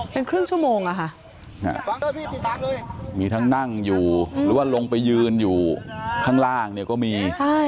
เป็นครึ่งชั่วโมงอะค่ะมีทั้งนั่งอยู่หรือว่าลงไปยืนอยู่ข้างล่างเนี่ยก็มี